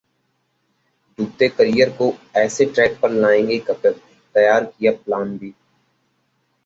डूबते करियर को ऐसे ट्रैक पर लाएंगे कपिल, तैयार किया प्लान-B